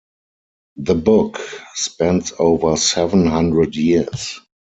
The book spans over seven hundred years.